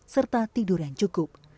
serta tidur yang cukup